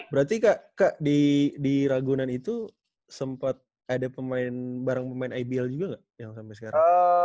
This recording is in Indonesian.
berarti kak di ragunan itu sempat ada barang pemain ibl juga nggak yang sampai sekarang